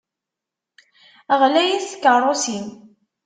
Ɣlayit tkeṛṛusin.